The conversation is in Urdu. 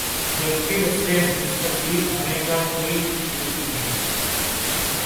جبکہ اس سے مستفید ہونے کا کوئی بل بھی نہیں